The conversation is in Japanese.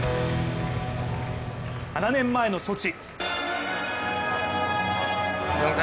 ７年前のソチ。